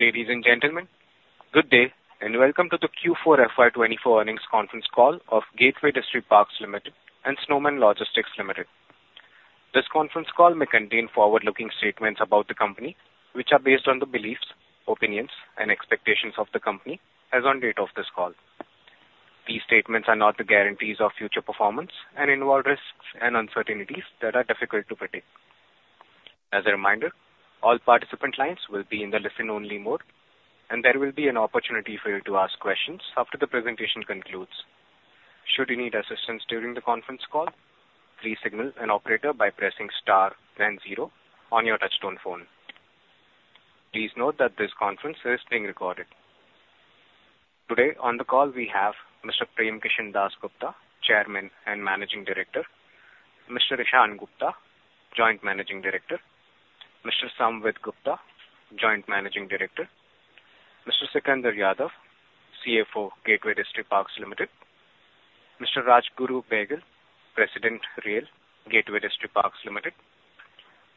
Ladies and gentlemen, good day and welcome to the Q4 FY 2024 earnings conference call of Gateway Distriparks Limited and Snowman Logistics Limited. This conference call may contain forward-looking statements about the company, which are based on the beliefs, opinions and expectations of the company as on date of this call. These statements are not the guarantees of future performance and involve risks and uncertainties that are difficult to predict. As a reminder, all participant lines will be in the listen-only mode, there will be an opportunity for you to ask questions after the presentation concludes. Should you need assistance during the conference call, please signal an operator by pressing star then zero on your touchtone phone. Please note that this conference is being recorded. Today, on the call we have Mr. Prem Kishan Dass Gupta, Chairman and Managing Director. Mr. Ishaan Gupta, Joint Managing Director. Mr. Samvid Gupta, Joint Managing Director. Mr. Sikander Yadav, CFO, Gateway Distriparks Limited. Mr. Rajguru Behgal, President, Rail, Gateway Distriparks Limited.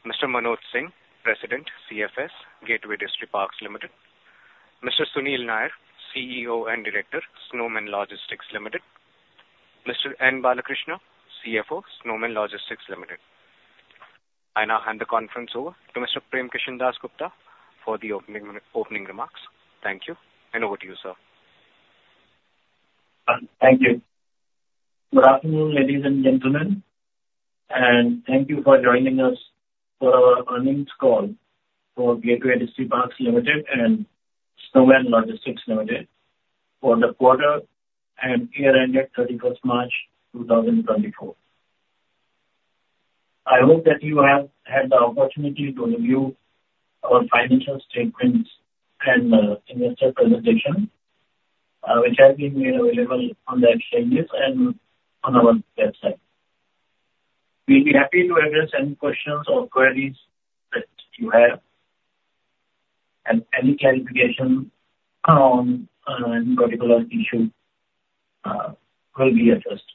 Mr. Manoj Singh, President, CFS, Gateway Distriparks Limited. Mr. Sunil Nair, CEO and Director, Snowman Logistics Limited. Mr. N. Balakrishna, CFO, Snowman Logistics Limited. I now hand the conference over to Mr. Prem Kishan Dass Gupta for the opening remarks. Thank you, and over to you, sir. Thank you. Good afternoon, ladies and gentlemen, and thank you for joining us for our earnings call for Gateway Distriparks Limited and Snowman Logistics Limited for the quarter and year-ended 31st March 2024. I hope that you have had the opportunity to review our financial statements and investor presentation, which has been made available on the exchanges and on our website. We will be happy to address any questions or queries that you have, and any clarification on any particular issue will be addressed.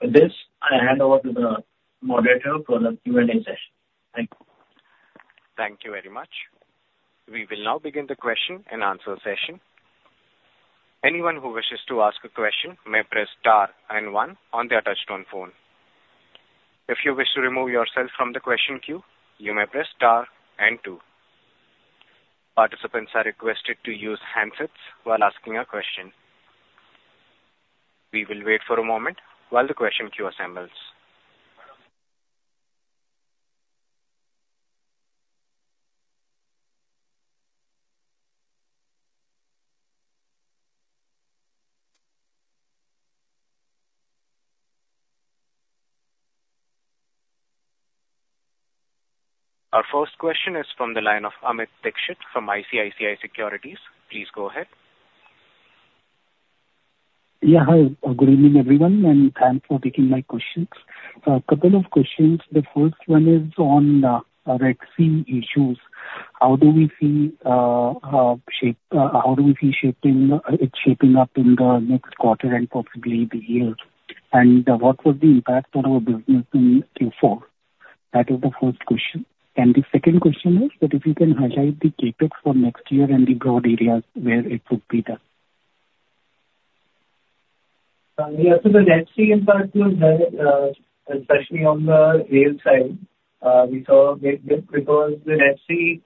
With this, I hand over to the moderator for the Q&A session. Thank you. Thank you very much. We will now begin the question-and-answer session. Anyone who wishes to ask a question may press star and one on their touchtone phone. If you wish to remove yourself from the question queue, you may press star and two. Participants are requested to use handsets while asking a question. We will wait for a moment while the question queue assembles. Our first question is from the line of Amit Dixit from ICICI Securities. Please go ahead. Hi. Good evening, everyone, and thanks for taking my questions. A couple of questions. The first one is on Red Sea issues. How do we see it shaping up in the next quarter and possibly the year? What was the impact on our business in Q4? That is the first question. The second question is that if you can highlight the CapEx for next year and the broad areas where it would be done. The Red Sea impact was there, especially on the rail side. We saw a big dip because the Red Sea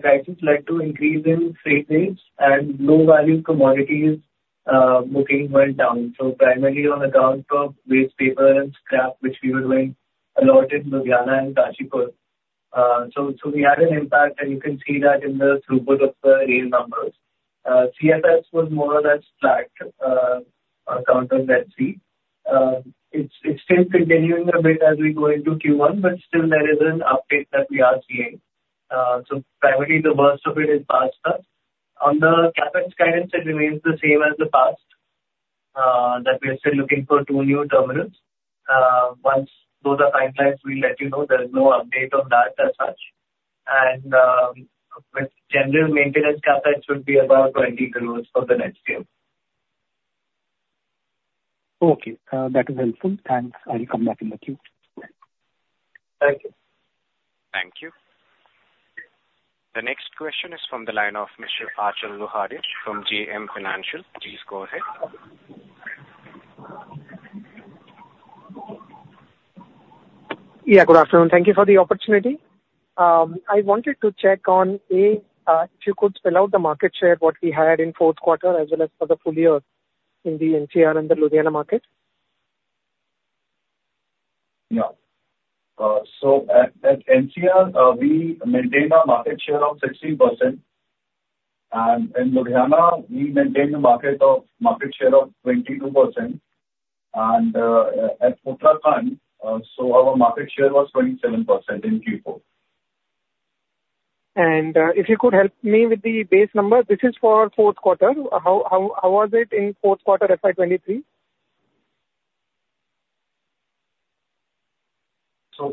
crisis led to increase in freight rates and low value commodities booking went down. Primarily on account of waste paper and scrap, which we were doing a lot in Ludhiana and Kashipur. We had an impact, and you can see that in the throughput of the rail numbers. CFS was more or less flat account on Red Sea. It's still continuing a bit as we go into Q1, but still there is an uptake that we are seeing. Primarily the worst of it is past us. On the CapEx guidance, it remains the same as the past, that we are still looking for two new terminals. Once those are finalized, we'll let you know. There is no update on that as such. With general maintenance, CapEx should be about 20 crores for the next year. Okay. That is helpful. Thanks. I'll come back in the queue. Thank you. Thank you. The next question is from the line of Mr. Achal Lohade from JM Financial. Please go ahead. Yeah, good afternoon. Thank you for the opportunity. I wanted to check on, A, if you could spell out the market share, what we had in fourth quarter, as well as for the full year in the NCR and the Ludhiana market. Yeah. At NCR, we maintain a market share of 16%, and in Ludhiana, we maintain a market share of 22%, and at Uttarakhand, our market share was 27% in Q4. If you could help me with the base number. This is for fourth quarter. How was it in fourth quarter FY 2023?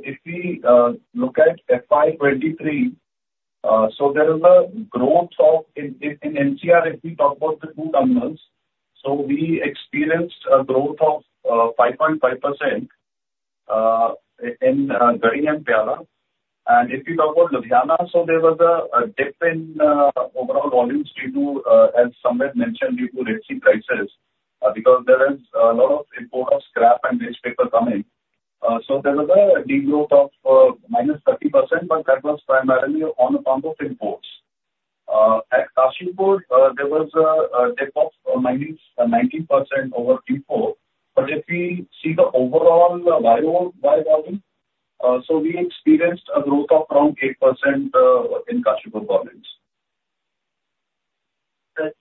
If we look at FY 2023, there is a growth in NCR if we talk about the two terminals. We experienced a growth of 5.5%. In Garhi and Pehowa. If you talk about Ludhiana, there was a dip in overall volumes, as Samvid mentioned, due to Red Sea crisis because there is a lot of import of scrap and waste paper coming. There was a de-growth of -30%, but that was primarily on account of imports. At Kashipur, there was a dip of -19% over Q4. If we see the overall year-over-year volume, we experienced a growth of around 8% in Kashipur volumes.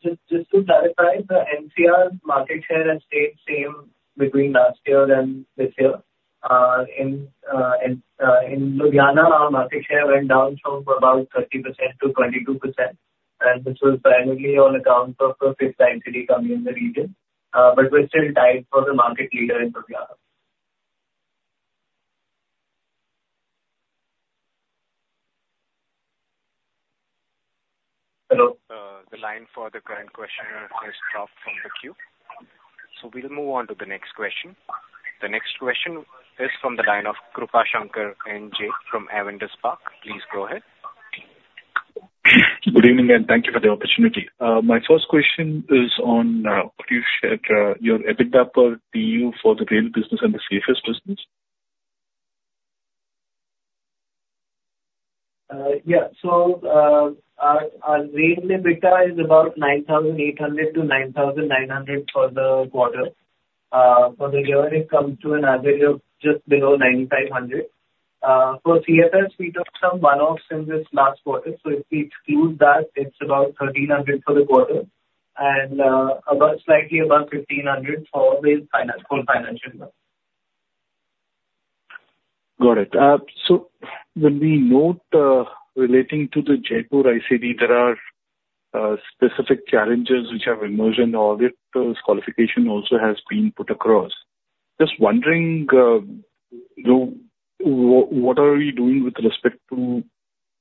Just to clarify, the NCR market share has stayed same between last year and this year. In Ludhiana, our market share went down from about 30% to 22%, and this was primarily on account of a fifth factory coming in the region. We're still tied for the market leader in Ludhiana. Hello. The line for the current questioner is dropped from the queue, We'll move on to the next question. The next question is from the line of Krupashankar NJ from Avendus Spark. Please go ahead. Good evening, Thank you for the opportunity. My first question is on could you share your EBITDA per TEU for the rail business and the CFS business? Our rail EBITDA is about 9,800-9,900 for the quarter. For the year, it comes to an average of just below 9,500. For CFS, we took some one-offs in this last quarter, If we exclude that, it's about 1,300 for the quarter and slightly above 1,500 for the full financial year. Got it. When we note relating to the Jaipur ICD, there are specific challenges which have emerged Audit qualification also has been put across. Just wondering what are we doing with respect to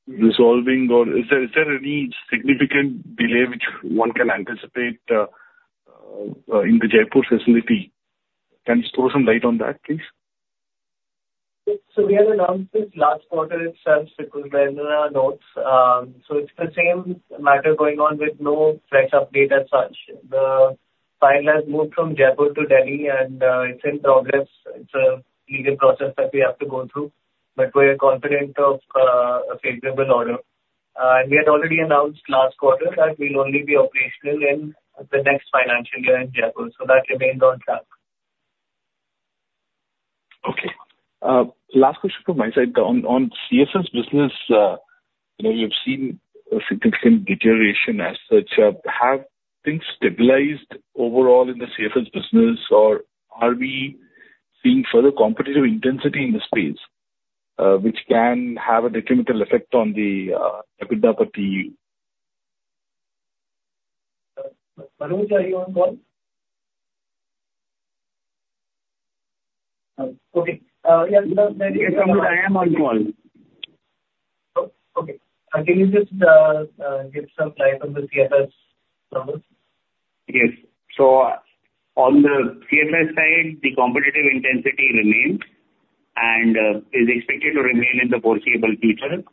resolving or is there any significant delay which one can anticipate in the Jaipur facility? Can you throw some light on that, please? We have announced this last quarter itself. It was there in our notes. It's the same matter going on with no fresh update as such. The file has moved from Jaipur to Delhi and it's in progress. It's a legal process that we have to go through, but we are confident of a favorable order. We had already announced last quarter that we'll only be operational in the next financial year in Jaipur, so that remains on track. Okay. Last question from my side. On CFS business, we have seen a significant deterioration as such. Have things stabilized overall in the CFS business or are we seeing further competitive intensity in the space which can have a detrimental effect on the EBITDA per TEU? Manoj, are you on call? Okay. Yeah. Yes, I am on call. Can you just give some light on the CFS numbers? Yes. On the CFS side, the competitive intensity remains and is expected to remain in the foreseeable future.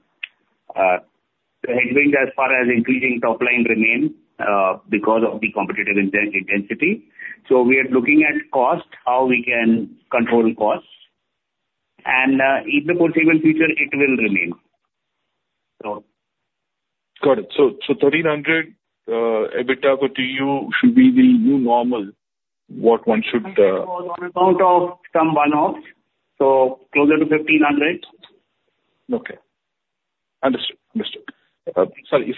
The headwinds as far as increasing top line remain because of the competitive intensity. We are looking at cost, how we can control costs and in the foreseeable future it will remain. Got it. 1,300 EBITDA per TEU should be the new normal what one should- On account of some one-offs, closer to 1,500. Okay. Understood. Sorry,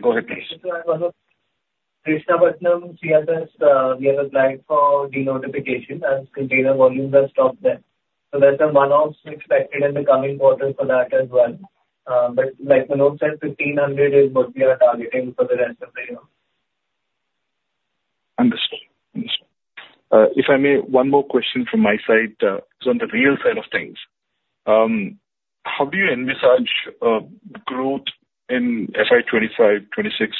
go ahead please. At Krishnapatnam CFS, we have applied for denotification as container volumes have stopped there. There's some one-offs expected in the coming quarter for that as well. Like Manoj said, 1,500 is what we are targeting for the rest of the year. Understood. If I may, one more question from my side. On the rail side of things, how do you envisage growth in FY 2025, 2026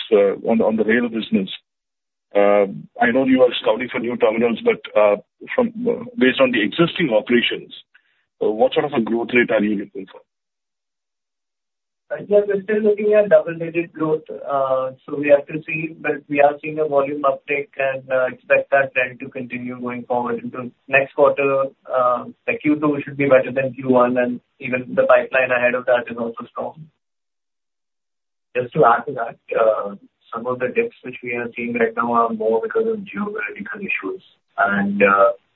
on the rail business? I know you are scouting for new terminals, but based on the existing operations, what sort of a growth rate are you looking for? Right now we're still looking at double-digit growth. We have to see. We are seeing a volume uptick and expect that trend to continue going forward into next quarter. The Q2 should be better than Q1 and even the pipeline ahead of that is also strong. Just to add to that, some of the dips which we are seeing right now are more because of geopolitical issues.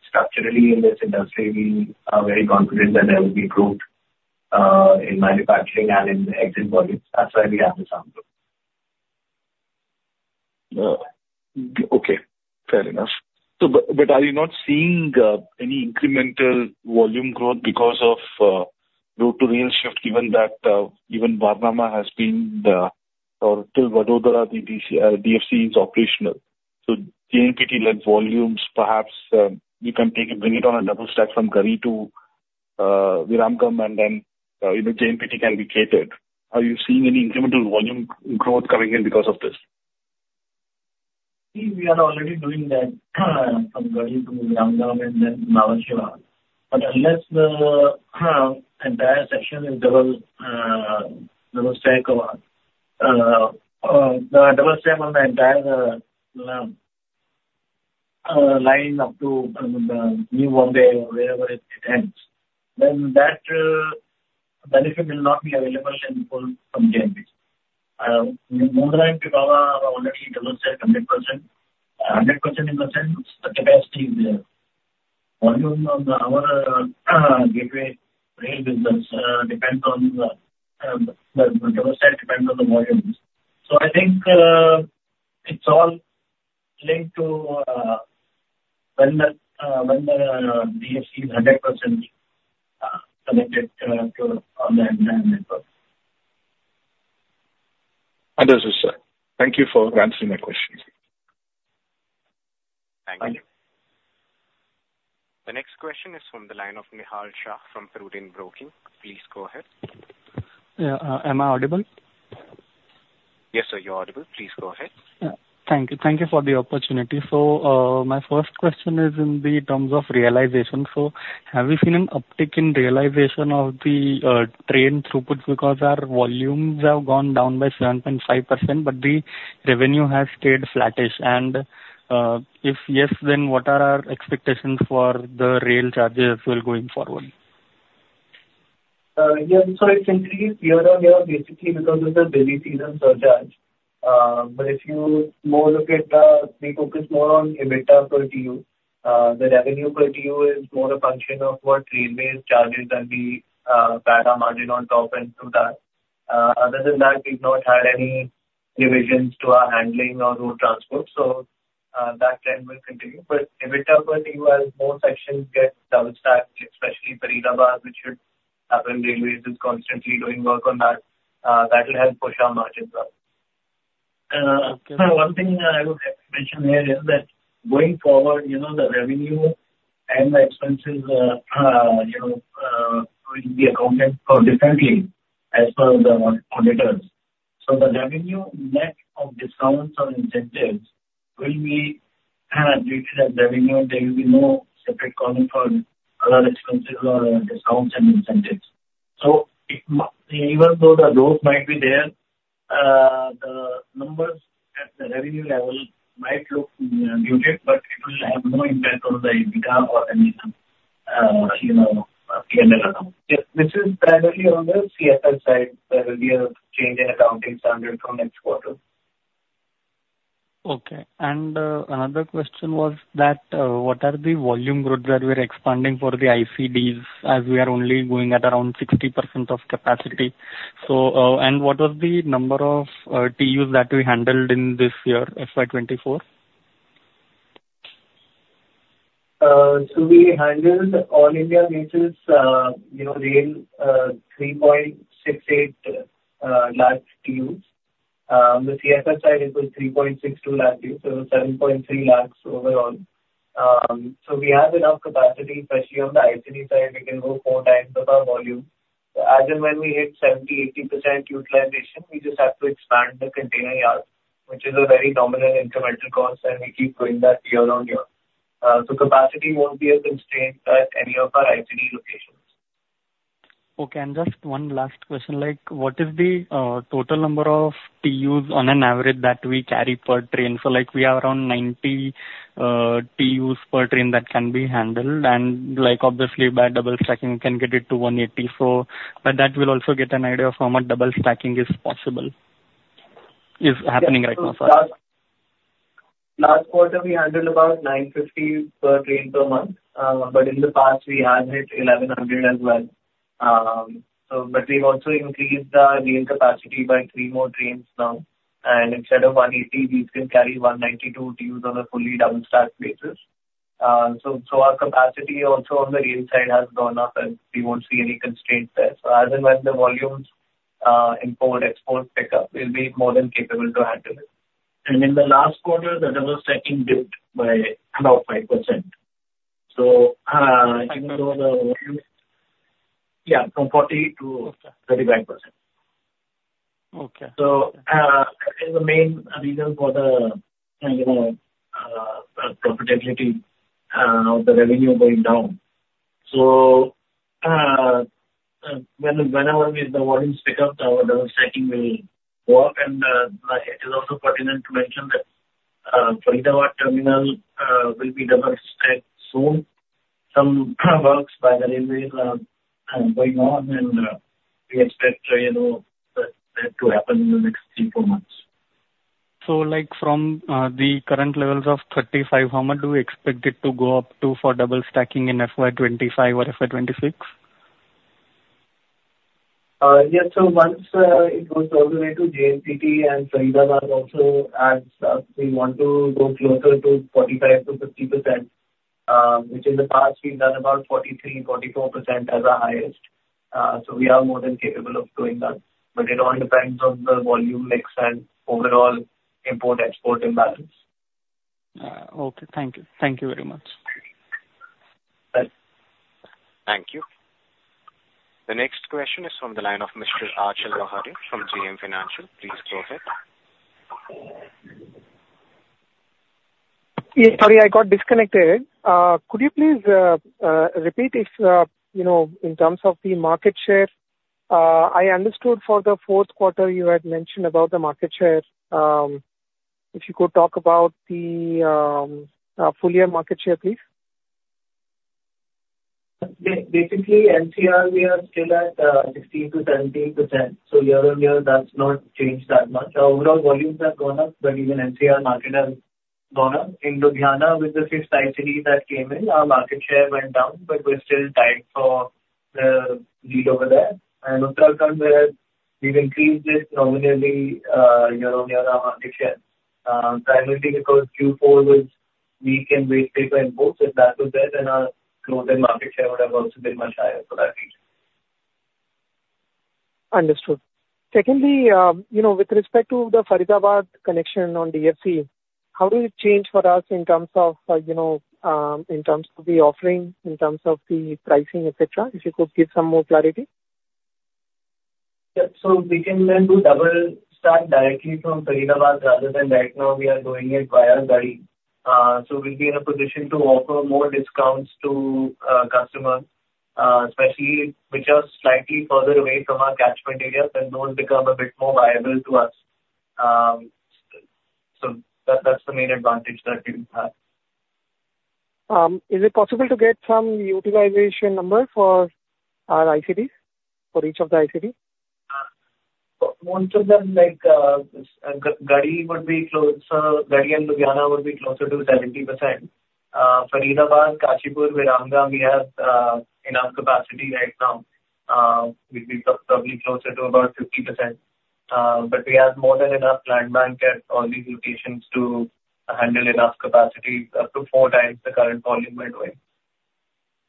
Structurally in this industry we are very confident that there will be growth in manufacturing and in exit volumes. That's why we have this outlook. Okay, fair enough. Are you not seeing any incremental volume growth because of road to rail shift given that even Vadodara has been, or till Vadodara DFC is operational? JNPT-led volumes perhaps you can take and bring it on a double stack from Garhi to Viramgam and then JNPT can be catered. Are you seeing any incremental volume growth coming in because of this? We are already doing that from Viramgam and then Manavadar. Unless the entire section is double stack on the entire line up to New Bombay or wherever it ends, then that benefit will not be available in full from JNPT. In Mundra and Pipavav, we have already double stacked 100%, 100% in the sense the capacity is there. Volume of our gateway rail business depends on the double stack, depends on the volumes. I think it's all linked to when the DFC is 100% connected on the entire network. Understood, sir. Thank you for answering my questions. Thank you. The next question is from the line of Nihal Shah from Piramal Broking. Please go ahead. Yeah. Am I audible? Yes, sir, you're audible. Please go ahead. Yeah. Thank you for the opportunity. My first question is in the terms of realization. Have you seen an uptick in realization of the train throughput because our volumes have gone down by 7.5%, but the revenue has stayed flattish. If yes, then what are our expectations for the rail charges going forward? Yeah. It's increased year-over-year, basically because of the busy season surcharge. We focus more on EBITDA per TEU. The revenue per TEU is more a function of what railways charges and we add our margin on top end to that. Other than that, we've not had any revisions to our handling or road transport. That trend will continue. EBITDA per TEU, as more sections get double stacked, especially Faridabad, which should happen, railways is constantly doing work on that. That will help push our margins up. One thing I would mention here is that going forward, the revenue and the expenses will be accounted for differently as per the auditors. The revenue net of discounts or incentives will be treated as revenue. There will be no separate column for other expenses or discounts and incentives. Even though the growth might be there, the numbers at the revenue level might look muted, but it will have no impact on the EBITDA or the net, P&L account. This is primarily on the CFS side. There will be a change in accounting standard from next quarter. Okay. Another question was that, what are the volume growth that we're expanding for the ICDs as we are only going at around 60% of capacity. What was the number of TEUs that we handled in this year, FY 2024? We handled all India Gateway Rail, 3.68 lakh TEUs. On the CFS side it was 3.62 lakh TEUs, 7.3 lakh overall. We have enough capacity, especially on the ICD side, we can go four times of our volume. As and when we hit 70%-80% utilization, we just have to expand the container yard, which is a very nominal incremental cost, and we keep doing that year-over-year. Capacity won't be a constraint at any of our ICD locations. Just one last question, what is the total number of TEUs on an average that we carry per train? Like we are around 90 TEUs per train that can be handled and obviously by double stacking we can get it to 180. By that we'll also get an idea of how much double stacking is possible, is happening right now. Last quarter we handled about 950 per train per month. In the past we have hit 1,100 as well. We've also increased our rail capacity by 3 more trains now, and instead of 180, these can carry 192 TEUs on a fully double stacked basis. Our capacity also on the rail side has gone up, and we won't see any constraints there. As and when the volumes import, export pick up, we'll be more than capable to handle it. In the last quarter, the double stacking dipped by about 5%. Even though the volumes Yeah, from 40% to 35%. Okay. That is the main reason for the profitability of the revenue going down. Whenever the volumes pick up, our double stacking will go up. It is also pertinent to mention that Faridabad terminal will be double stacked soon. Some works by the railways are going on, and we expect that to happen in the next 3, 4 months. From the current levels of 35%, how much do we expect it to go up to for double stacking in FY 2025 or FY 2026? Yeah. Once it goes all the way to JNPT and Faridabad also adds up, we want to go closer to 45%-50%, which in the past we've done about 43%, 44% as our highest. We are more than capable of doing that, but it all depends on the volume mix and overall import/export imbalance. Okay. Thank you. Thank you very much. Thank you. The next question is from the line of Mr. Achal Lohade from JM Financial. Please go ahead. Yeah. Sorry, I got disconnected. Could you please repeat in terms of the market share? I understood for the fourth quarter, you had mentioned about the market share. If you could talk about the full year market share, please. NCR, we are still at 16%-17%. Year-on-year, that's not changed that much. Our overall volumes have gone up, but even NCR market has gone up. In Ludhiana, with the fifth ICD that came in, our market share went down, but we're still tied for the lead over there. Kashipur, where we've increased it nominally year-on-year, our market share. Primarily because Q4 was weak in waste paper and boards. If that was there, then our closed-end market share would have also been much higher for that reason. Understood. Secondly, with respect to the Faridabad connection on DFC, how will it change for us in terms of the offering, in terms of the pricing, et cetera? If you could give some more clarity. We can then do double stack directly from Faridabad, rather than right now we are doing it via Garhi. We'll be in a position to offer more discounts to customers, especially which are slightly further away from our catchment area, then those become a bit more viable to us. That's the main advantage that we have. Is it possible to get some utilization number for our ICDs, for each of the ICD? Most of them, like Garhi and Ludhiana would be closer to 70%. Faridabad, Kashipur, Viramgam, we have enough capacity right now. We'd be probably closer to about 50%. We have more than enough land bank at all these locations to handle enough capacity up to four times the current volume we're doing.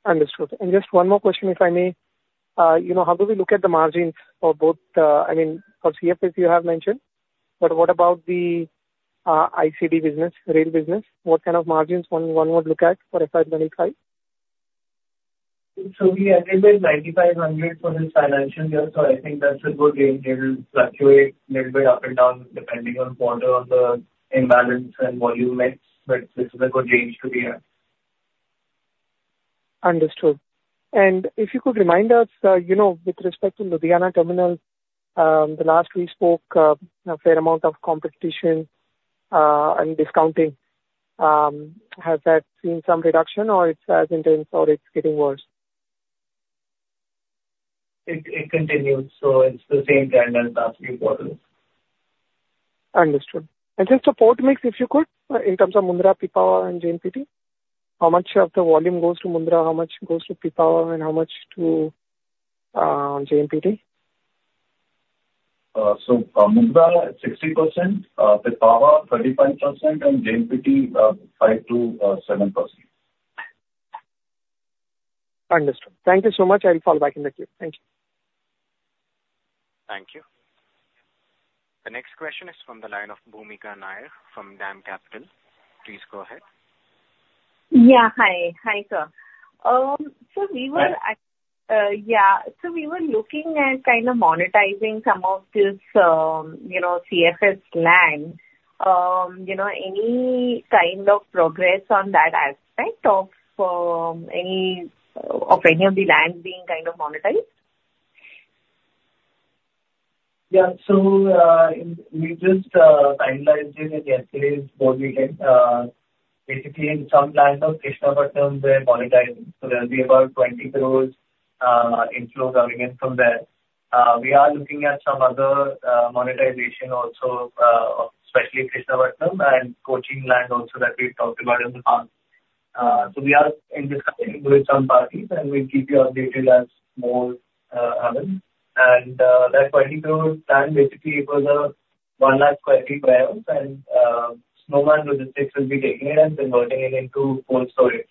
Understood. Just one more question, if I may. How do we look at the margins for both, I mean, for CFS you have mentioned, but what about the ICD business, rail business? What kind of margins one would look at for FY 2025? We ended with 9,500 for this financial year. I think that's a good range. It'll fluctuate little bit up and down depending on quarter on the imbalance and volume mix, but this is a good range to be in. Understood. If you could remind us, with respect to Ludhiana terminal, the last we spoke, a fair amount of competition and discounting. Has that seen some reduction, or it's as intense, or it's getting worse? It continues. It's the same trend as last few quarters. Understood. Just the port mix, if you could, in terms of Mundra, Pipavav and JNPT. How much of the volume goes to Mundra, how much goes to Pipavav, and how much to JNPT? Mundra 60%, Pipavav 35%, and JNPT 5-7%. Understood. Thank you so much. I'll fall back in the queue. Thank you. Thank you. The next question is from the line of Bhoomika Nair from DAM Capital. Please go ahead. Yeah, hi. Hi, sir. Hi. We were looking at kind of monetizing some of this CFS land. Any kind of progress on that aspect of any of the land being kind of monetized? Yeah. We just finalized it in yesterday's board meeting. Basically some land of Krishnapatnam we're monetizing. There'll be about 20 crores inflow coming in from there. We are looking at some other monetization also, especially Krishnapatnam and Kochi land also that we've talked about in the past. We are in discussion with some parties, and we'll keep you updated as more happens. That INR 20 crores land, basically it was a 1 lakh square feet warehouse and Snowman Logistics will be taking it and converting it into cold storage.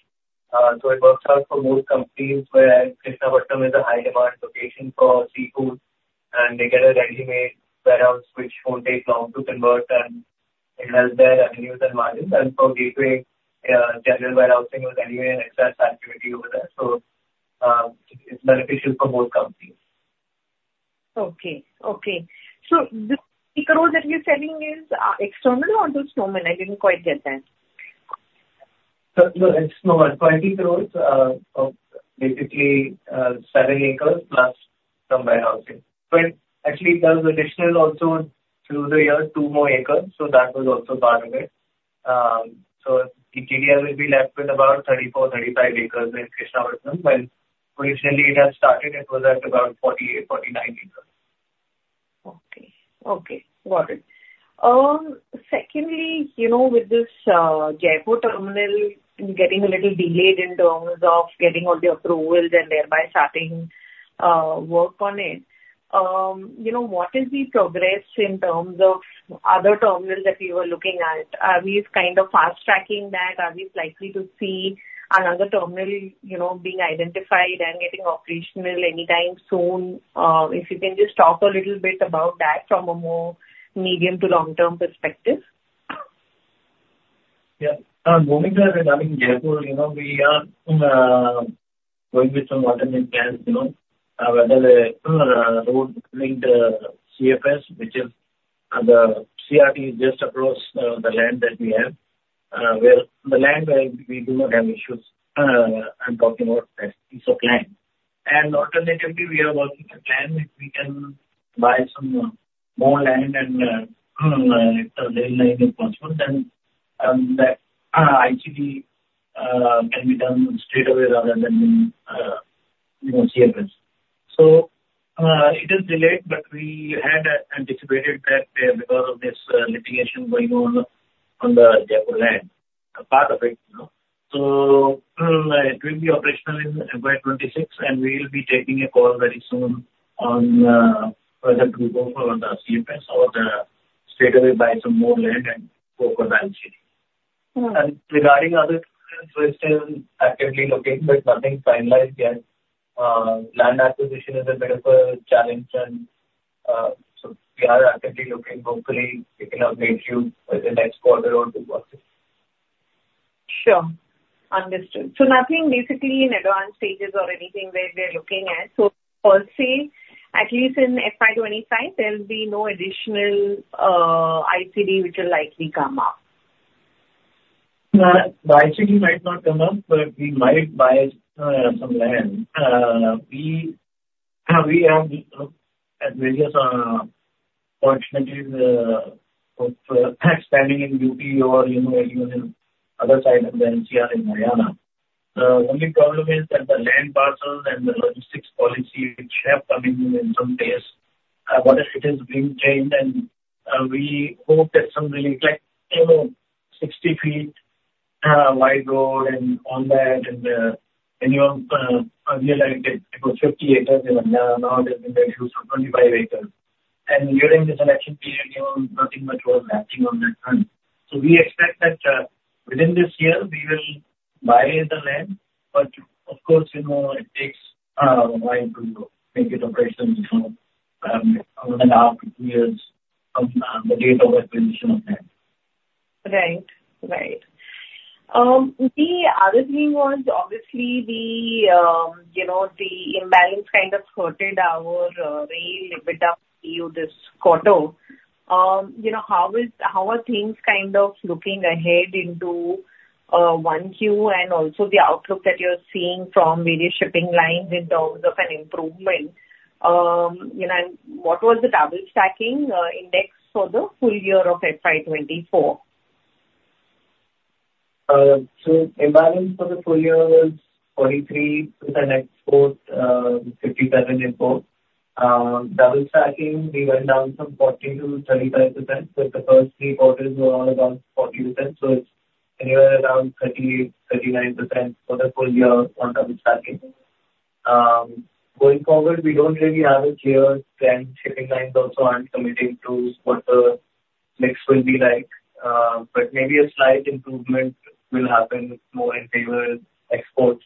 It works out for both companies where Krishnapatnam is a high demand location for seafood and they get a readymade warehouse which won't take long to convert and enhance their revenues and margins. For Gateway, general warehousing was anyway an excess activity over there. It's beneficial for both companies. Okay. The crores that you're selling is external or to Snowman? I didn't quite get that. No, it's Snowman. 20 crores of basically seven acres plus some warehousing. Actually there was additional also through the year, two more acres, so that was also part of it. GDL will be left with about 34, 35 acres in Krishnapatnam, when originally it had started it was at about 48, 49 acres. Okay. Got it. Secondly, with this Jaipur terminal getting a little delayed in terms of getting all the approvals and thereby starting work on it, what is the progress in terms of other terminals that you were looking at? Are we kind of fast-tracking that? Are we likely to see another terminal being identified and getting operational anytime soon? If you can just talk a little bit about that from a more medium to long-term perspective. Yeah. Monica, regarding Jaipur, we are going with some alternate plans. Whether the road link, the CFS, which is the CRT just across the land that we have, where the land we do not have issues. I'm talking about that piece of land. Alternatively, we are working a plan if we can buy some more land and if the rail line is possible, then that ICD can be done straight away rather than CFS. It is delayed, but we had anticipated that because of this litigation going on the Jaipur land, a part of it. It will be operational in FY 2026, and we will be taking a call very soon on whether to go for the CFS or straightaway buy some more land and go for ICD. Regarding other clusters, we're still actively looking, but nothing finalized yet. Land acquisition is a bit of a challenge then. We are actively looking. Hopefully, we can update you in the next quarter on progress. Sure. Understood. Nothing basically in advanced stages or anything where they're looking at. I'll say at least in FY 2025, there will be no additional ICD which will likely come up. The ICD might not come up, we might buy some land. We have various opportunities of expanding in UP or even in other side of the NCR in Haryana. The only problem is that the land parcels and the logistics policy which have come in some ways, what if it is being changed, we hope that some relief, like 60 feet wide road and on that, earlier it was 50 acres, and now there's been reduced to 25 acres. During this election period, nothing much was acting on that front. We expect that within this year we will buy the land. But of course, it takes a while to make it operational. One and a half years of the date of acquisition of land. Right. The other thing was, obviously, the imbalance kind of hurted our rail EBITDA view this quarter. How are things kind of looking ahead into one Q and also the outlook that you're seeing from various shipping lines in terms of an improvement? What was the double stacking index for the full year of FY 2024? Imbalance for the full year was 43% with an export, 57% import. Double stacking, we went down from 40%-35%, but the first three quarters were all about 40%. It's anywhere around 38%-39% for the full year on double stacking. Going forward, we don't really have a clear trend. Shipping lines also aren't committing to what the mix will be like. Maybe a slight improvement will happen more in favor of exports.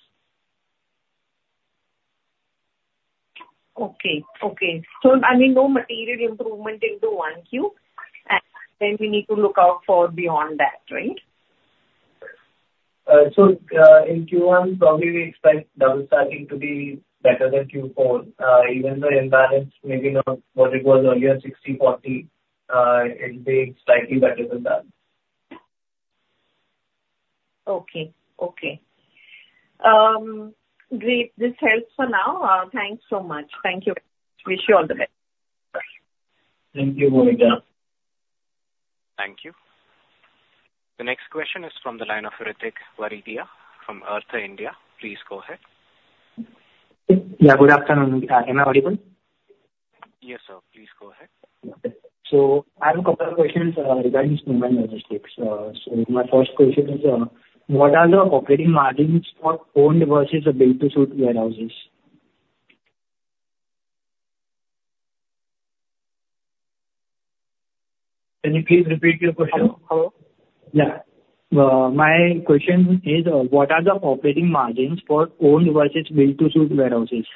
Okay. No material improvement into Q1, we need to look out for beyond that, right? In Q1, probably we expect double stacking to be better than Q4. Even though imbalance may be not what it was earlier, 60/40, it'll be slightly better than that. Okay. Great. This helps for now. Thanks so much. Thank you. Wish you all the best. Bye. Thank you, Monica. Thank you. The next question is from the line of Ritik Warilia from Arthur India. Please go ahead. Yeah, good afternoon. Am I audible? Yes, sir. Please go ahead. I have a couple of questions regarding Snowman Logistics. My first question is, what are the operating margins for owned versus a build-to-suit warehouses? Can you please repeat your question? Yeah. My question is, what are the operating margins for owned versus build-to-suit warehouses?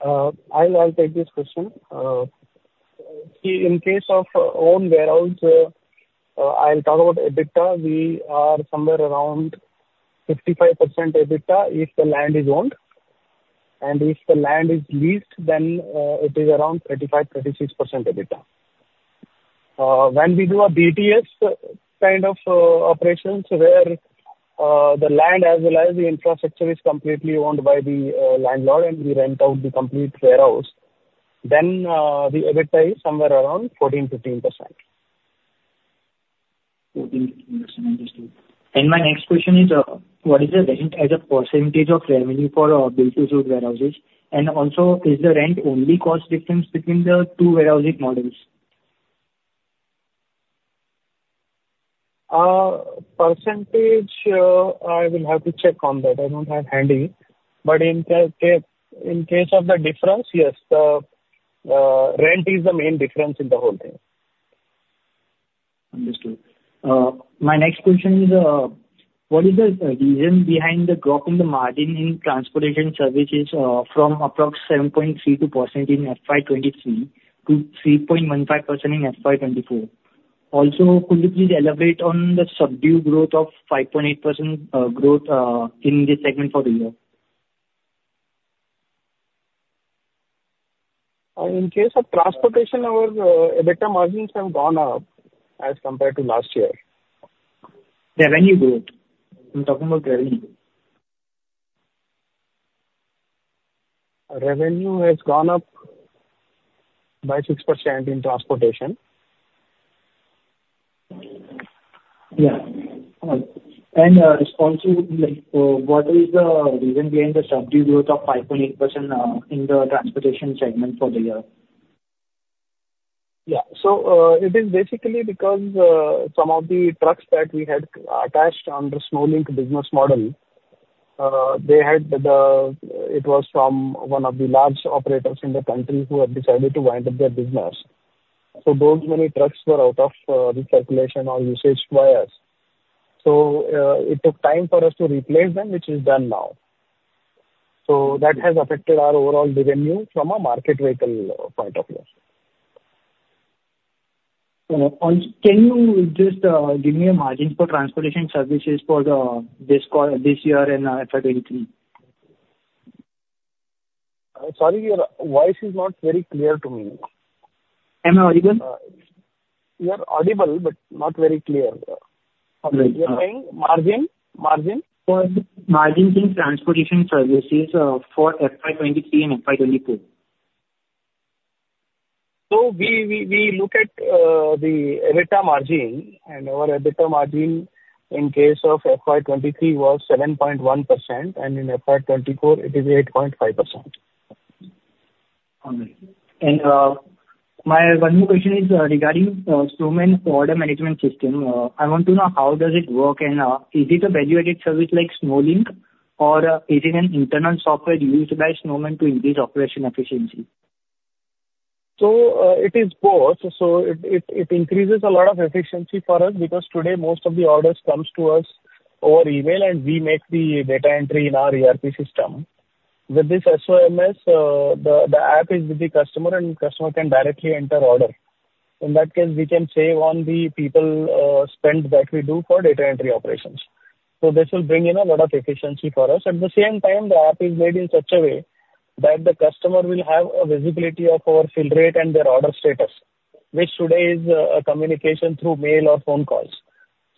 I'll take this question. See, in case of owned warehouse, I'll talk about EBITDA. We are somewhere around 55% EBITDA if the land is owned. If the land is leased, then it is around 35%, 36% EBITDA. When we do a BTS kind of operations where the land as well as the infrastructure is completely owned by the landlord and we rent out the complete warehouse, then the EBITDA is somewhere around 14%, 15%. 14, 15. Understood. My next question is, what is the rent as a percentage of revenue for a build-to-suit warehouses? Also, is the rent only cost difference between the two warehousing models? Percentage, I will have to check on that. I don't have handy. In case of the difference, yes, rent is the main difference in the whole thing. Understood. My next question is, what is the reason behind the drop in the margin in transportation services from approx 7.32% in FY 2023 to 3.15% in FY 2024? Also, could you please elaborate on the subdued growth of 5.8% growth in this segment for the year? In case of transportation, our EBITDA margins have gone up as compared to last year. Revenue growth. I'm talking about revenue. Revenue has gone up by 6% in transportation. Yeah. Also, what is the reason behind the subdued growth of 5.8% in the transportation segment for the year? Yeah. It is basically because some of the trucks that we had attached under Snowlink business model, it was from one of the large operators in the country who have decided to wind up their business. Those many trucks were out of circulation or usage by us. It took time for us to replace them, which is done now. That has affected our overall revenue from a market vehicle point of view. Can you just give me a margins for transportation services for this year and FY 2023? Sorry, your voice is not very clear to me. Am I audible? You are audible, not very clear. You're saying margin? Margins in transportation services for FY 2023 and FY 2024. We look at the EBITDA margin, and our EBITDA margin in case of FY 2023 was 7.1%, and in FY 2024, it is 8.5%. My one more question is regarding Snowman Order Management System. I want to know how does it work, and is it a value-added service like Snowlink, or is it an internal software used by Snowman to increase operation efficiency? It is both. It increases a lot of efficiency for us because today most of the orders comes to us over email, and we make the data entry in our ERP system. With this SOMS, the app is with the customer, and customer can directly enter order. In that case, we can save on the people spend that we do for data entry operations. This will bring in a lot of efficiency for us. At the same time, the app is made in such a way that the customer will have a visibility of our fill rate and their order status, which today is a communication through mail or phone calls.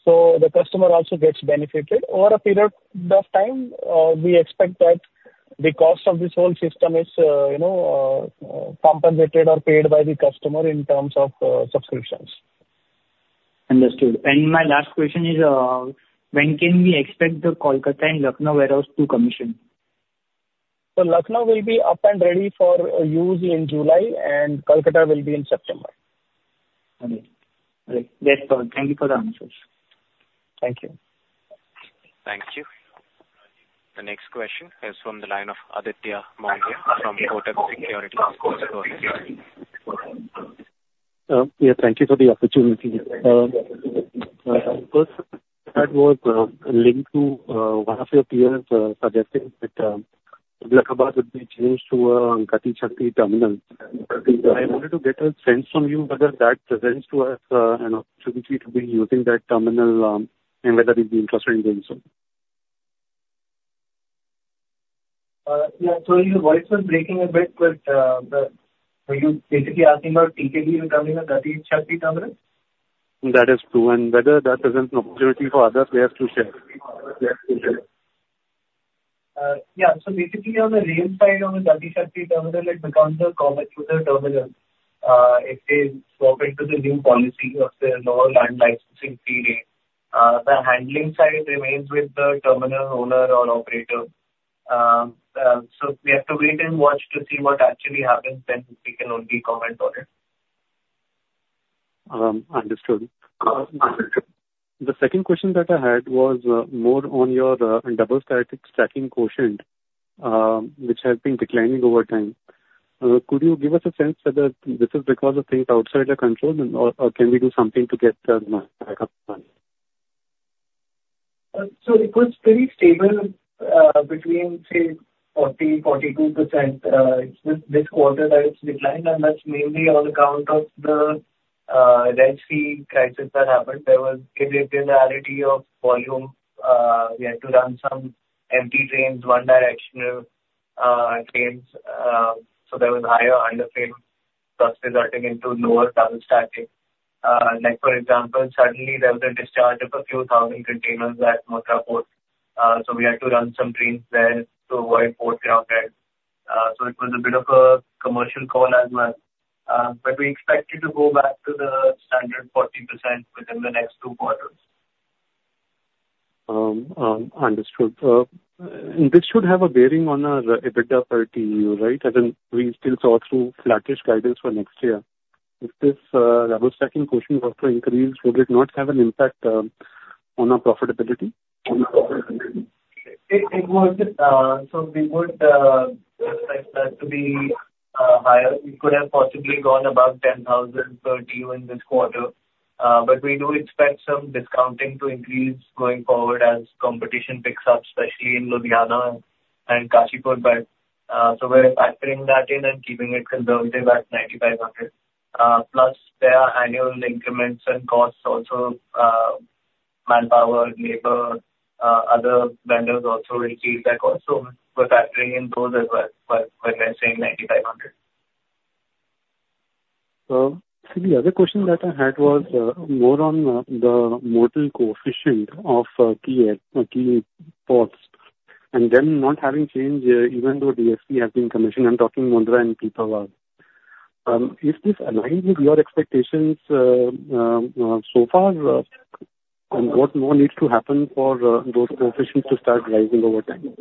The customer also gets benefited. Over a period of time, we expect that the cost of this whole system is compensated or paid by the customer in terms of subscriptions. Understood. My last question is, when can we expect the Kolkata and Lucknow warehouse to commission? Lucknow will be up and ready for use in July and Kolkata will be in September. Okay. That's all. Thank you for the answers. Thank you. Thank you. The next question is from the line of Aditya Mandre from ICICI Securities. Yeah, thank you for the opportunity. First, that was linked to one of your peers suggesting that Allahabad would be changed to Gati Shakti Terminal. I wanted to get a sense from you whether that presents to us an opportunity to be using that terminal, and whether we'd be interested in doing so. Yeah. Sorry, your voice was breaking a bit, but were you basically asking about GCT Terminal, Gati Shakti Terminal? That is true, and whether that presents an opportunity for other players to share. Yeah. Basically on the rail side of the Gati Shakti Terminal, it becomes a common user terminal. It is open to the new policy of the lower land licensing period. The handling side remains with the terminal owner or operator. We have to wait and watch to see what actually happens, then we can only comment on it. Understood. The second question that I had was more on your double static stacking quotient, which has been declining over time. Could you give us a sense whether this is because of things outside your control or can we do something to get them back up? It was pretty stable between, say, 40%-42%. It's just this quarter that it's declined, and that's mainly on account of the Red Sea crisis that happened. There was irregularity of volume. We had to run some empty trains, one directional trains. There was higher under frame, thus resulting into lower double stacking. Like for example, suddenly there was a discharge of a few thousand containers at Mundra Port. We had to run some trains there to avoid port downtime. It was a bit of a commercial call as well. We expect it to go back to the standard 40% within the next two quarters. Understood. This should have a bearing on our EBITDA per TEU, right? As in, we still saw through flattish guidance for next year. If this double stacking quotient was to increase, would it not have an impact on our profitability? We would expect that to be higher. We could have possibly gone above 10,000 per TEU in this quarter. We do expect some discounting to increase going forward as competition picks up, especially in Ludhiana and Kashipur. We're factoring that in and keeping it conservative at 9,500. There are annual increments and costs also, manpower, labor, other vendors also will increase that cost. We're factoring in those as well, but we're saying 9,500. The other question that I had was more on the modal coefficient of key ports and them not having changed even though DFC has been commissioned. I'm talking Mundra and Pipavav. Is this aligned with your expectations so far? What more needs to happen for those coefficients to start rising over time?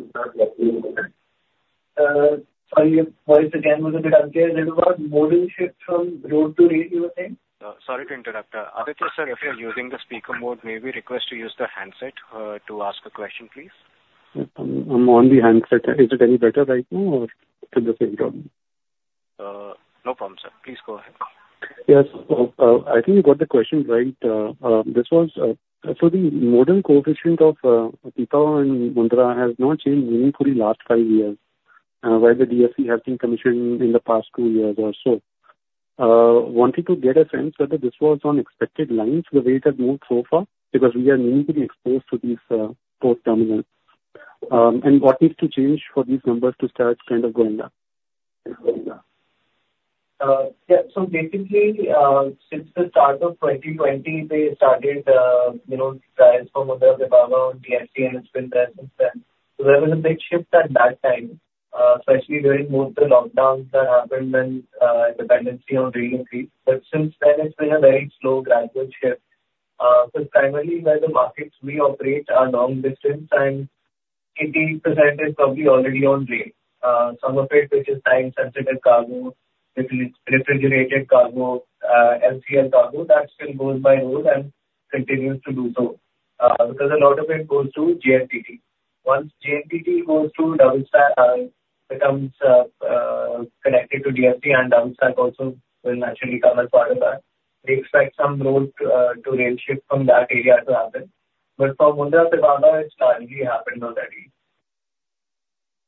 Sorry, your voice again was a bit unclear there. Was modal shift from road to rail, you were saying? Sorry to interrupt. Aditya, sir, if you're using the speaker mode, may we request to use the handset to ask the question, please? I'm on the handset. Is it any better right now or still the same problem? No problem, sir. Please go ahead. Yes. I think you got the question right. The modal coefficient of Pipavav and Mundra Port has not changed meaningfully last five years, while the DFC has been commissioned in the past two years or so. Wanted to get a sense whether this was on expected lines, the way it has moved so far, because we are meaningfully exposed to these port terminals. What needs to change for these numbers to start kind of going up? Basically, since the start of 2020, they started trials for Mundra Port, Pipavav on DFC and it's been there since then. There was a big shift at that time, especially during most of the lockdowns that happened when dependency on rail increased. Since then it's been a very slow gradual shift. Primarily where the markets we operate are long distance and 88% is probably already on rail. Some of it, which is time-sensitive cargo, which is refrigerated cargo, LCL cargo, that still goes by road and continues to do so because a lot of it goes to JNPT. Once JNPT becomes connected to DFC and double stack also will naturally become a part of that. We expect some road to rail shift from that area to happen. For Mundra Port, Pipavav it's largely happened already.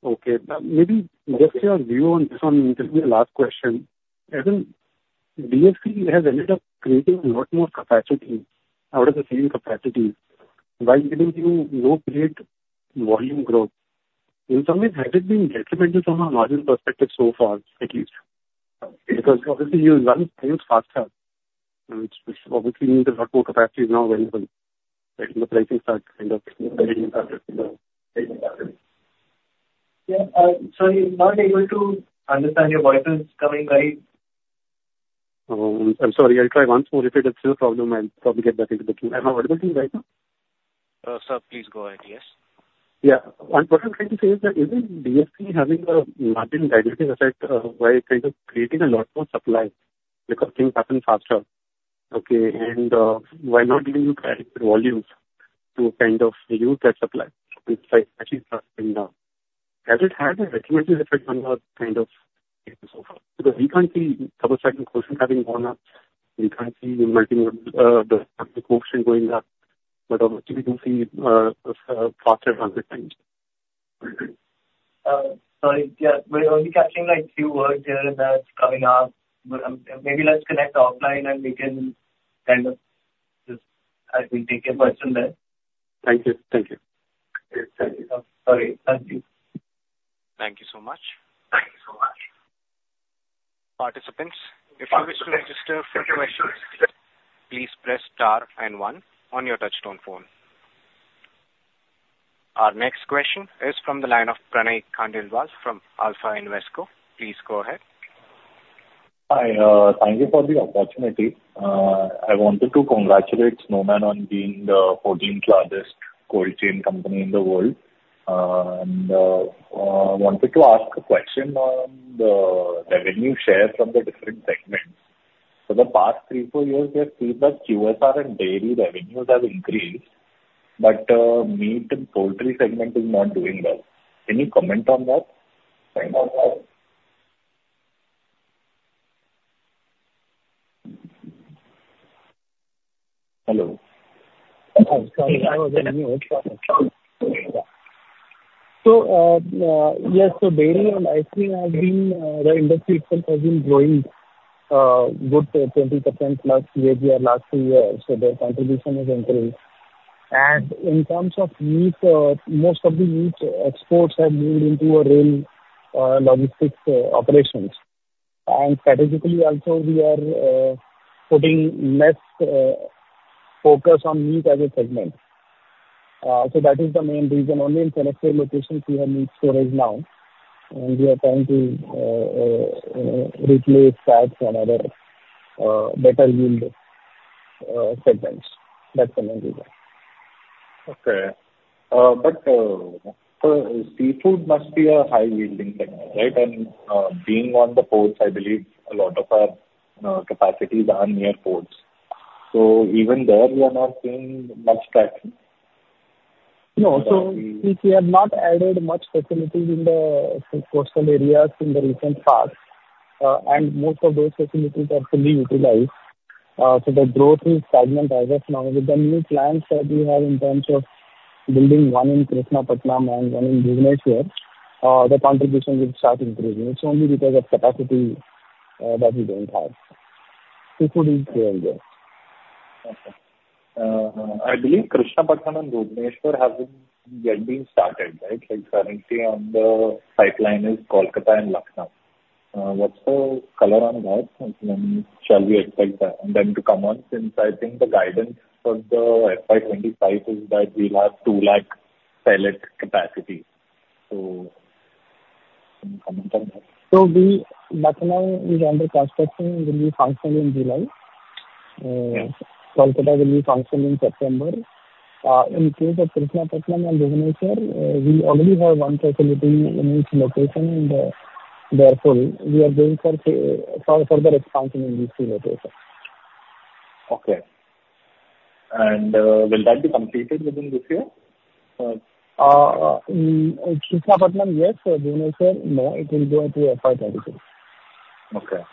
Okay. Maybe just your view on this one. This is my last question. Haven't DFC has ended up creating a lot more capacity out of the same capacity while giving you low freight volume growth? In some ways, has it been detrimental from a margin perspective so far, at least? Because obviously you run trains faster, which obviously means a lot more capacity is now available, and the pricing starts kind of Yeah. Sorry, not able to understand. Your voice is coming very- Oh, I'm sorry. I'll try once more. If it is still a problem, I'll probably get back into the queue. Am I audible to you right now? Sir, please go ahead. Yes. Yeah. What I'm trying to say is that, isn't DFC having a margin dilutive effect while kind of creating a lot more supply because things happen faster, okay? While not giving you the added volumes to kind of use that supply, which is actually dropping now. Has it had a detrimental effect on the business so far? We can't see double stacking coefficient having gone up. We can't see the margin, the coefficient going up. Obviously we do see a faster transit time. Sorry. Yeah. We're only catching like few words here and there. It's coming off, but maybe let's connect offline and we can kind of. I will take your question there. Thank you. Sorry. Thank you. Thank you so much. Thank you so much. Participants- Participants If you wish to register for questions, please press star and one on your touchtone phone. Our next question is from the line of Pranay Khandelwal from Alpha Invesco. Please go ahead. Hi. Thank you for the opportunity. I wanted to congratulate Snowman on being the 14 largest cold chain company in the world. I wanted to ask a question on the revenue share from the different segments. For the past three, four years, we have seen that QSR and dairy revenues have increased, meat and poultry segment is not doing well. Any comment on that? Hello. Hello. Yes. Dairy and ice cream have been, the industry itself has been growing good 20% plus year-over-year, last 2 years. The contribution has increased. In terms of meat, most of the meat exports have moved into a rail logistics operations. Strategically also, we are putting less focus on meat as a segment. That is the main reason. Only in few locations we have meat storage now, and we are trying to replace that to another better yield segments. That's the main reason. Okay. Seafood must be a high yielding segment, right? Being on the ports, I believe a lot of our capacities are near ports. Even there we are not seeing much traction? No. We have not added much facilities in the coastal areas in the recent past, and most of those facilities are fully utilized. The growth is stagnant as of now. With the new plans that we have in terms of building one in Krishnapatnam and one in Bhubaneswar, the contribution will start increasing. It's only because of capacity that we don't have. People will go there. Okay. I believe Krishnapatnam and Bhubaneswar haven't yet been started, right? Currently on the pipeline is Kolkata and Lucknow. What's the color on that? When shall we expect them to come on since I think the guidance for the FY 2025 is that we'll have 2 lakh pallet capacity. Any comment on that? Lucknow is under construction, will be functional in July. Okay. Kolkata will be functional in September. In case of Krishnapatnam and Bhubaneswar, we already have one facility in each location, and they are full. We are going for further expansion in these two locations. Okay. Will that be completed within this year? Krishnapatnam, yes. Bhubaneswar, no, it will go into FY 2026. Okay.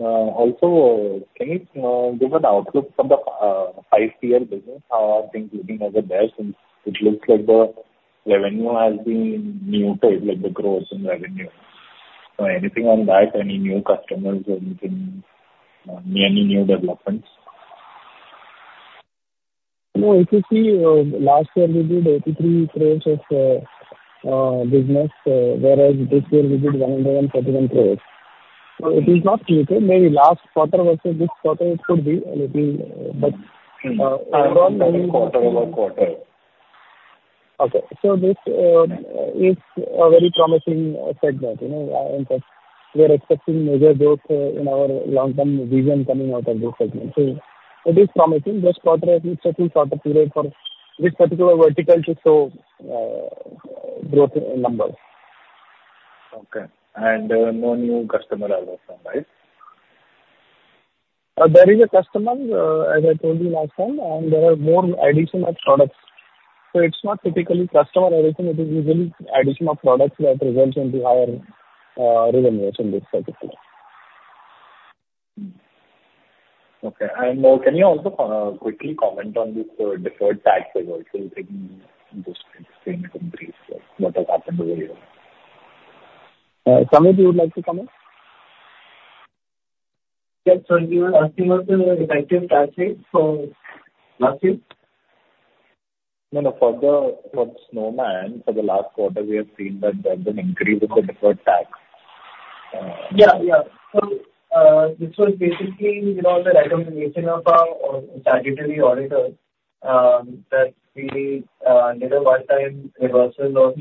Also, can you give an outlook for the 5PL business, how are things looking over there? Since it looks like the revenue has been muted, like the growth in revenue. Anything on that, any new customers or anything, any new developments? No, if you see, last year we did 83 crores of business, whereas this year we did 131 crores. It is not muted. Maybe last quarter versus this quarter, it could be a little, but- I am talking quarter-over-quarter. Okay. This is a very promising segment. In fact, we are expecting major growth in our long-term vision coming out of this segment. It is promising. This quarter is just a short period for this particular vertical to show growth in numbers. Okay. No new customer also, right? There is a customer, as I told you last time, and there are more addition of products. It's not typically customer addition, it is usually addition of products that results into higher revenues in this particular. Okay. Can you also quickly comment on this deferred tax result in this same brief, what has happened over here? Samit, you would like to comment? Yes. You are asking us the effective tax rate for last year? No, for Snowman, for the last quarter, we have seen that there has been increase of the deferred tax. This was basically the recommendation of our statutory auditor, that we did a one-time reversal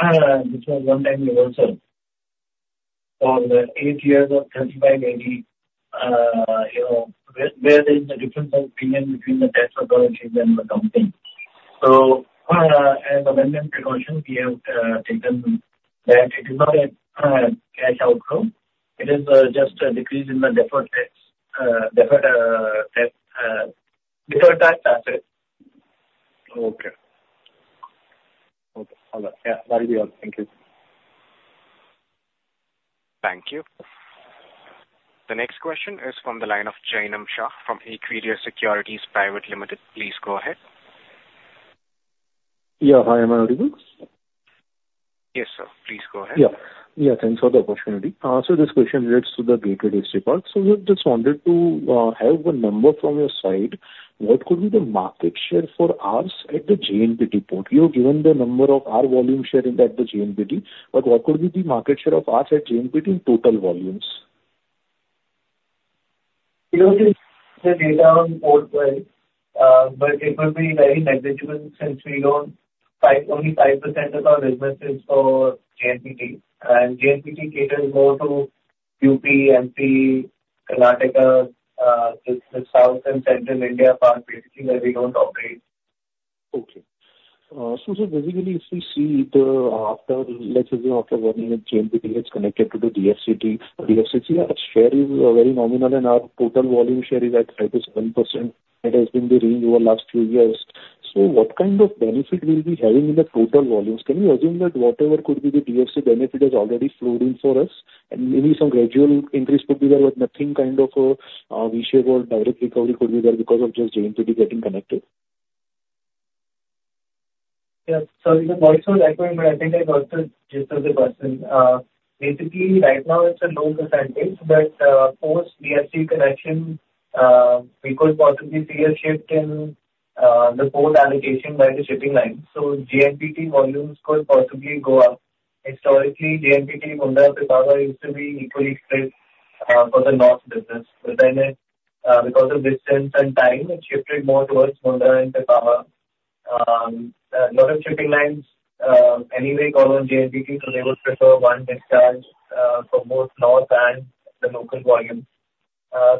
of the. Okay. All right. That will be all. Thank you. Thank you. The next question is from the line of Jainam Shah from Equirus Securities Private Limited. Please go ahead. Yeah. Hi, Am I audible? Yes, sir. Please go ahead. Yeah. Thanks for the opportunity. This question relates to the Gateway Distriparks. We just wanted to have a number from your side, what could be the market share for us at the JNPT port? You have given the number of our volume share at the JNPT, but what could be the market share of us at JNPT in total volumes? We don't have the data on port-wise, but it will be very negligible since only 5% of our business is for JNPT, and JNPT caters more to UP, MP, Karnataka, the South and Central India part, basically, where we don't operate. Basically if we see, let's assume after one year JNPT gets connected to the DFC. DFC, our share is very nominal and our total volume share is at 5%-7%. It has been the range over last few years. What kind of benefit we'll be having in the total volumes? Can we assume that whatever could be the DFC benefit is already flowed in for us, and maybe some gradual increase could be there, but nothing kind of a v-shape or direct recovery could be there because of just JNPT getting connected? Yes. Sorry, the voice was echoing, but I think I got the gist of the question. Basically, right now it's a low percentage, but post DFC connection, we could possibly see a shift in the port allocation by the shipping line. JNPT volumes could possibly go up. Historically, JNPT, Mundra, and Tuticorin used to be equally split for the north business. Because of distance and time, it shifted more towards Mundra and Tuticorin. A lot of shipping lines anyway call on JNPT, so they would prefer one discharge for both north and the local volume.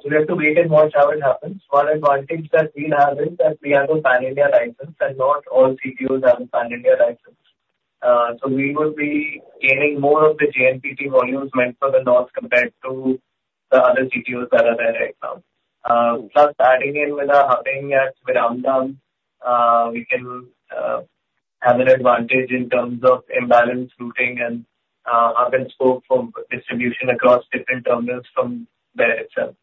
We have to wait and watch how it happens. One advantage that we have is that we have a pan-India license, and not all CTOs have a pan-India license. We will be gaining more of the JNPT volumes meant for the north compared to the other CTOs that are there right now. Adding in with our hubbing at Viramgam, we can have an advantage in terms of imbalance routing and hub-and-spoke distribution across different terminals from there itself.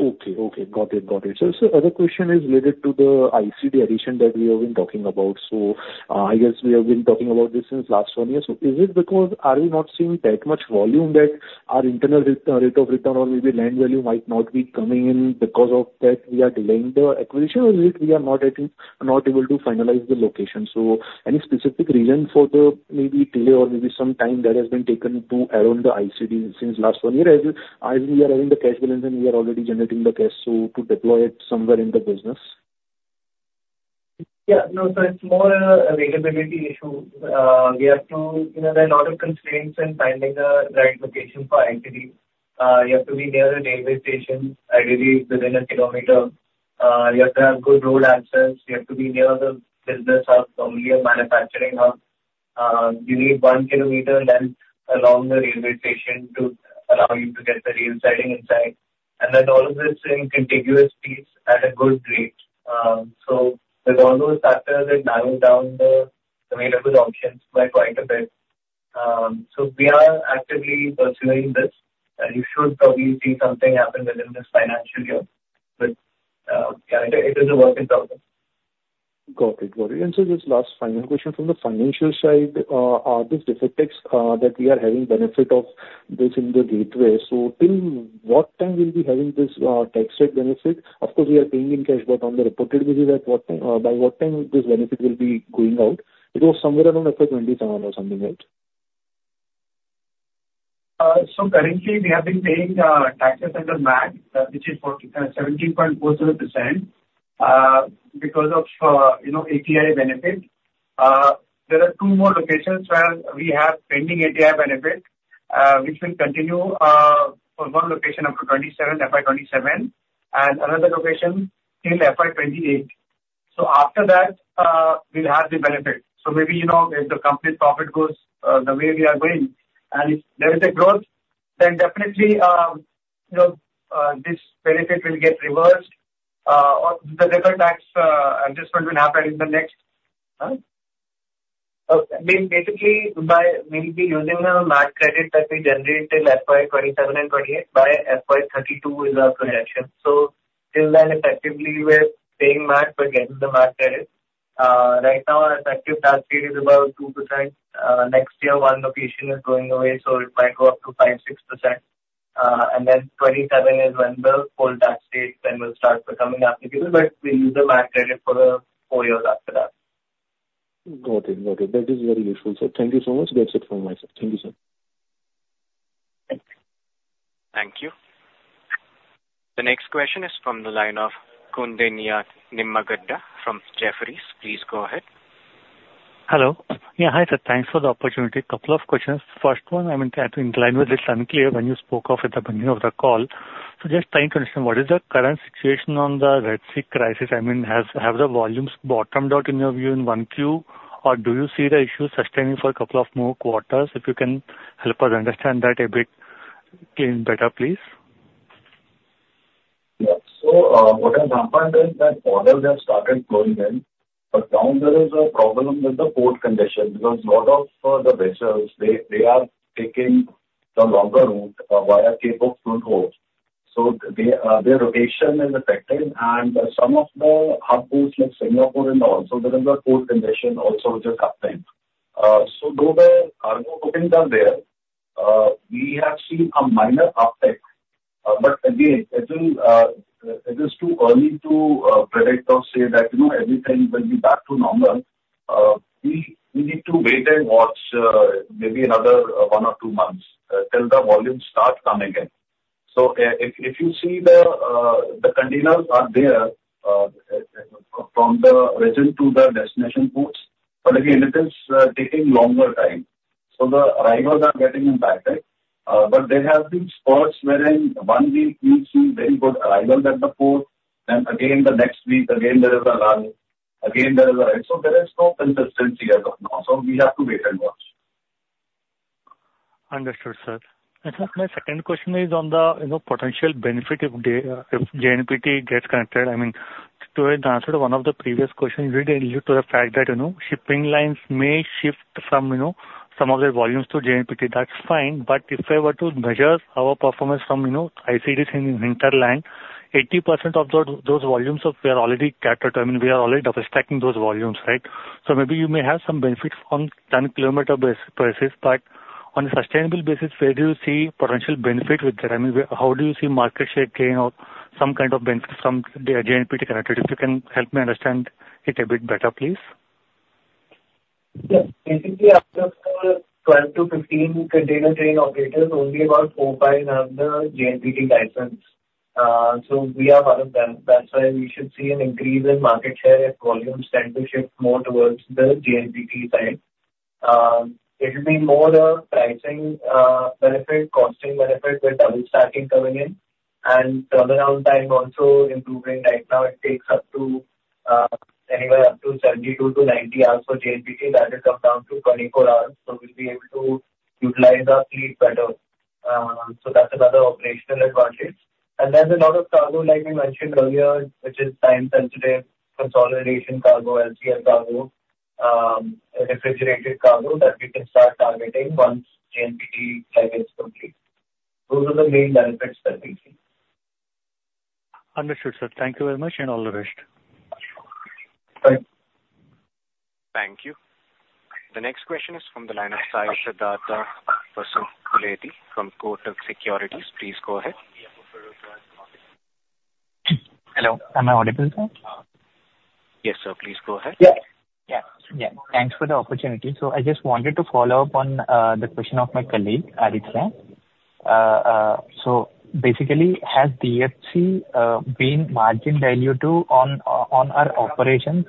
Okay. Got it. Other question is related to the ICD addition that we have been talking about. I guess we have been talking about this since last one year. Is it because are we not seeing that much volume that our internal rate of return or maybe land value might not be coming in, because of that we are delaying the acquisition? Or is it we are not able to finalize the location? Any specific reason for the maybe delay or maybe some time that has been taken to around the ICD since last one year as we are having the cash balance and we are already generating the cash, to deploy it somewhere in the business? Yeah. No, sir. It's more an availability issue. There are a lot of constraints in finding the right location for ICD. You have to be near a railway station, ideally within a one kilometer. You have to have good road access. You have to be near the business hub, probably a manufacturing hub. You need one kilometer length along the railway station to allow you to get the rail siding inside. All of this in contiguous piece at a good rate. With all those factors, it narrows down the available options by quite a bit. We are actively pursuing this, and you should probably see something happen within this financial year. Yeah, it is a work in progress. Got it. Sir, just last final question from the financial side, this defer tax that we are having benefit of this in the Gateway. Till what time we'll be having this tax rate benefit? Of course, we are paying in cash, but on the reported basis, by what time this benefit will be going out? It was somewhere around FY 2027 or something, right? Currently we have been paying taxes under MAT, which is 17.40%, because of 80-IA benefit. There are two more locations where we have pending 80-IA benefit, which will continue for one location up to FY 2027 and another location till FY 2028. After that, we'll have the benefit. Maybe if the company's profit goes the way we are going. If there is a growth, then definitely this benefit will get reversed. The deferred tax adjustment will happen in the next Basically, we'll be using the MAT credit that we generate till FY 2027 and FY 2028 by FY 2032 is our projection. Till then, effectively, we're paying MAT, but getting the MAT credit. Right now, our effective tax rate is about 2%. Next year, one location is going away, so it might go up to 5%, 6%. 2027 is when the full tax rate then will start becoming applicable, but we'll use the MAT credit for four years after that. Got it. That is very useful, sir. Thank you so much. That's it from myself. Thank you, sir. Thanks. Thank you. The next question is from the line of Kundan Nia, Nima Gada from Jefferies. Please go ahead. Hello. Yeah. Hi, sir. Thanks for the opportunity. Couple of questions. First one, I think the line was a little unclear when you spoke of at the beginning of the call. Just trying to understand what is the current situation on the Red Sea crisis? Has the volumes bottomed out in your view in 1Q, or do you see the issue sustaining for a couple of more quarters? If you can help us understand that a bit better, please. What has happened is that orders have started flowing in, now there is a problem with the port condition because lot of the vessels, they are taking the longer route via Cape of Good Hope. Their rotation is affected and some of the hub ports like Singapore and also there is a port condition also which is upheld. Though the cargo bookings are there, we have seen a minor uptick. Again, it is too early to predict or say that everything will be back to normal. We need to wait and watch maybe another one or two months till the volumes start coming in. If you see the containers are there from the origin to the destination ports. Again, it is taking longer time. The arrivals are getting impacted. There have been spots wherein one week we've seen very good arrival at the port, then again the next week, again there is a lull. There is no consistency as of now. We have to wait and watch. Understood, sir. Sir, my second question is on the potential benefit if JNPT gets connected. To answer one of the previous questions, you did allude to the fact that shipping lines may shift some of their volumes to JNPT. That's fine, but if I were to measure our performance from ICDs in hinterland, 80% of those volumes we are already double stacking those volumes, right? Maybe you may have some benefit from 10 kilometer basis, but on a sustainable basis, where do you see potential benefit with that? How do you see market share gain or some kind of benefit from the JNPT connected? If you can help me understand it a bit better, please. Yes. Basically out of 12 to 15 container train operators, only about four or five have the JNPT license. We are one of them. That's why we should see an increase in market share if volumes tend to shift more towards the JNPT side It will be more the pricing benefit, costing benefit with double stacking coming in and turnaround time also improving. Right now it takes anywhere up to 72 to 90 hours for JNPT. That will come down to 24 hours. We'll be able to utilize our fleet better. That's another operational advantage. There's a lot of cargo, like we mentioned earlier, which is time-sensitive consolidation cargo, LCL cargo, refrigerated cargo that we can start targeting once JNPT leg is complete. Those are the main benefits that we see. Understood, sir. Thank you very much and all the best. Bye. Thank you. The next question is from the line of Sai Siddhartha Vasukuleeti from Kotak Securities. Please go ahead. Hello, am I audible, sir? Yes, sir. Please go ahead. I just wanted to follow up on the question of my colleague, Aditya Mandre. Basically, has DFC been margin dilutive on our operations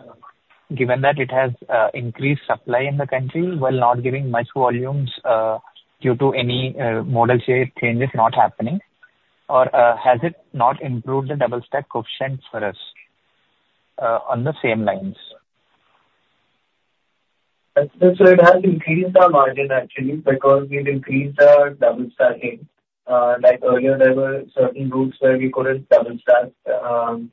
given that it has increased supply in the country while not giving much volumes due to any modal share changes not happening? Or has it not improved the double stack coefficient for us on the same lines? It has increased our margin actually because we've increased our double stacking. Earlier there were certain routes where we couldn't double stack,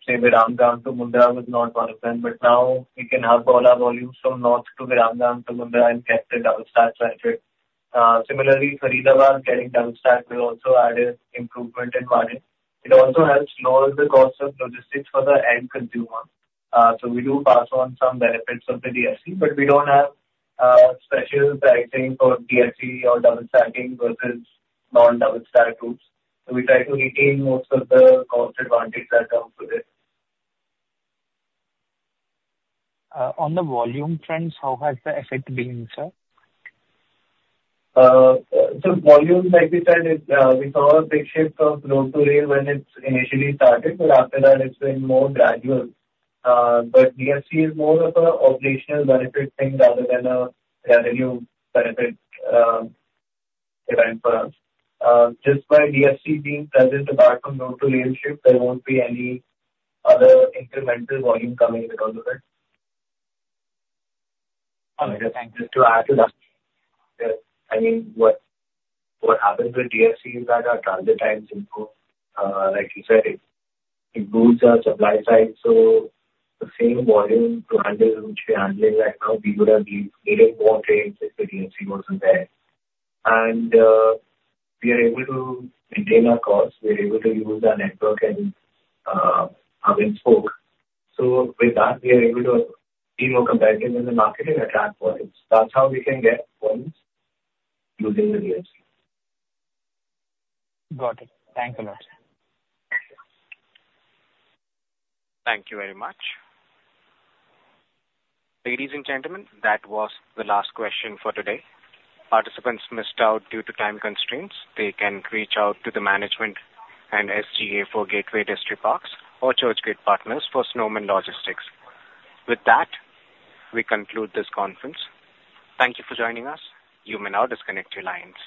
say Viramgam to Mundra was not one of them, but now we can have all our volumes from north to Viramgam to Mundra and get the double stack benefit. Similarly, Faridabad getting double stacked has also added improvement in margin. It also helps lower the cost of logistics for the end consumer. We do pass on some benefits of the DFC, but we don't have special pricing for DFC or double stacking versus non-double stack routes. We try to retain most of the cost advantage that comes with it. On the volume trends, how has the effect been, sir? Volume, like we said, we saw a big shift from road to rail when it initially started, but after that it's been more gradual. DFC is more of a operational benefit thing rather than a revenue benefit event for us. Just by DFC being present, apart from road to rail shift, there won't be any other incremental volume coming because of it. Okay, thank you. Just to add to that. I mean, what happens with DFC is that our transit times improve. Like he said, it boosts our supply side. The same volume to handle which we're handling right now, we would have needed more trains if the DFC wasn't there. We are able to maintain our costs. We are able to use our network and hub-and-spoke. With that we are able to be more competitive in the market and attract volumes. That's how we can get volumes using the DFC. Got it. Thanks a lot. Thank you very much. Ladies and gentlemen, that was the last question for today. Participants missed out due to time constraints. They can reach out to the management and SGA for Gateway Distriparks or Churchgate Partners for Snowman Logistics. We conclude this conference. Thank you for joining us. You may now disconnect your lines.